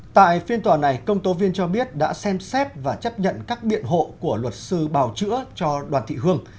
tại phiên tòa này công tố viên cho biết đã xem xét và chấp nhận các biện hộ của luật sư bào chữa cho đoàn thị hương